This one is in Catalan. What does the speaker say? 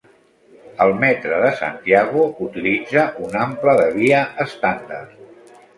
El metre de Santiago utilitza un ample de via estàndard.